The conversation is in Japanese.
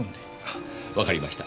わかりました。